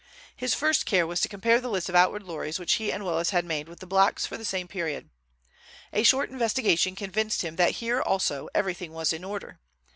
His first care was to compare the list of outward lorries which he and Willis had made with the blocks for the same period. A short investigation convinced him that here also everything was in order.